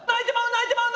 泣いてまう！